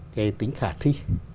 cái tính khả thi